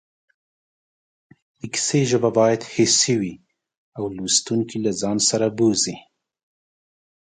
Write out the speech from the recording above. د کیسې ژبه باید حسي وي او لوستونکی له ځان سره بوځي